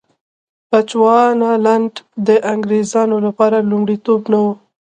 بچوانالنډ د انګرېزانو لپاره لومړیتوب نه و.